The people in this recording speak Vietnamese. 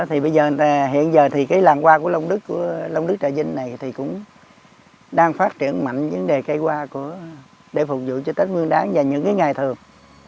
thì bây giờ hiện giờ thì cái làng hoa của long đức long đức trà vinh này thì cũng đang phát triển mạnh vấn đề cây hoa để phục vụ cho tết nguyên đáng và những cái ngày thường